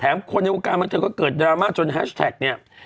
คนในวงการบันเทิงก็เกิดดราม่าจนแฮชแท็กเนี่ย